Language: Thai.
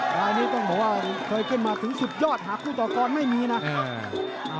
รายนี้ต้องบอกว่าเคยขึ้นมาถึงสุดยอดหากคู่ต่อกรไม่มีนะ